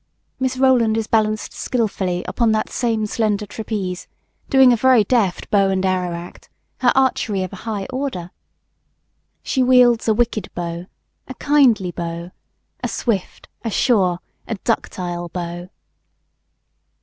Miss Rowland is balanced skilfully upon that same slender trapeze, doing a very deft bow and arrow act, her archery of a high order. She wields a wicked bow, a kindly bow, a swift, a sure, a ductile bow.